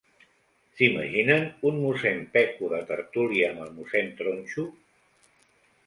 S'imaginen un mossèn Peco de tertúlia amb el mossèn Tronxo?